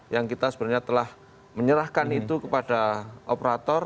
yang kita sebenarnya telah menyerahkan itu kepada operator